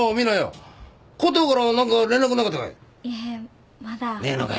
いいえまだ。ねえのか。